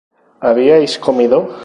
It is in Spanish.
habíais comido